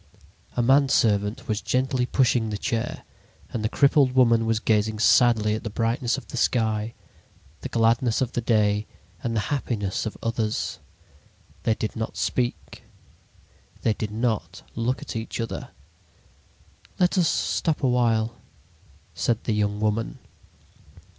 A manservant was gently pushing the chair, and the crippled woman was gazing sadly at the brightness of the sky, the gladness of the day, and the happiness of others. They did not speak. They did not look at each other. "Let us stop a while," said the young woman.